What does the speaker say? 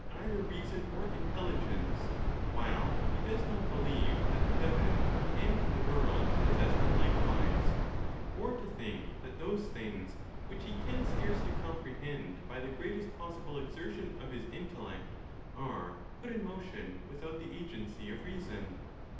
either reason or intelligence, while he does not believe that the heaven and the world possess them likewise, or to think that those things which he can scarcely comprehend by the greatest possible exertion of his intellect, are put in motion without the agency of reason